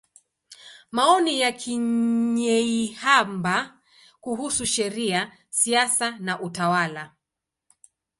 Maoni ya Kanyeihamba kuhusu Sheria, Siasa na Utawala.